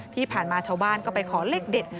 ที่ผ่านมาชาวบ้านก็ไปขอเลขเด็ด